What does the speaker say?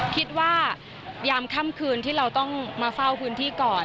คิดว่ายามค่ำคืนที่เราต้องมาเฝ้าพื้นที่ก่อน